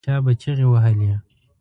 چا به چیغې وهلې.